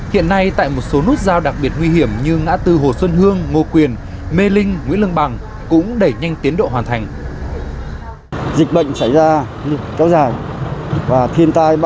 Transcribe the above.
hiện nay tại một số nút giao đặc biệt nguy hiểm như ngã tư hồ xuân hương ngô quyền mê linh nguyễn lương bằng cũng đẩy nhanh tiến độ hoàn thành